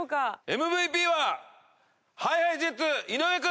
ＭＶＰはＨｉＨｉＪｅｔｓ井上君！